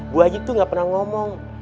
bu aji tuh gak pernah ngomong